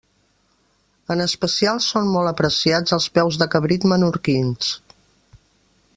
En especial són molt apreciats els peus de cabrit menorquins.